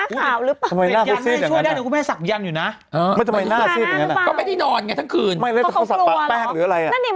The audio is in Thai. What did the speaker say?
ก็คือตัวเขาไม่ได้นอนไงเนี่ยนี้